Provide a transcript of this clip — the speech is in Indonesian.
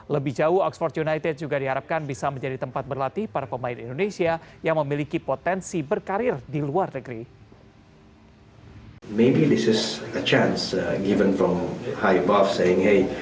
lebih jauh oxford united juga diharapkan bisa menjadi tempat berlatih para pemain indonesia yang memiliki potensi berkarir di luar negeri